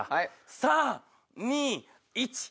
３・２・１。